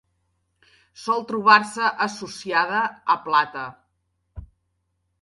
Sol trobar-se associada a plata.